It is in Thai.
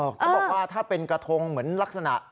เขาบอกว่าถ้าเป็นกระทงเหมือนลักษณะ